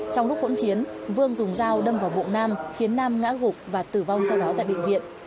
trong lúc hỗn chiến vương dùng dao đâm vào bụng nam khiến nam ngã gục và tử vong sau đó tại bệnh viện